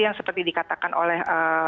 yang seperti dikatakan oleh